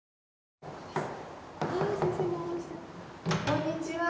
こんにちは。